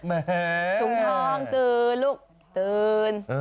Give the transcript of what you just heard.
แหมถุงทองตื่นลูกตื่น